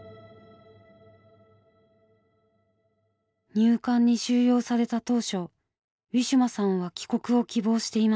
入管に収容された当初ウィシュマさんは帰国を希望していました。